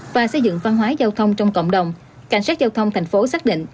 và xây dựng văn hóa giao thông trong cộng đồng cảnh sát giao thông thành phố xác định